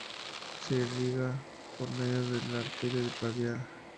Se irriga por medio de la arteria radial.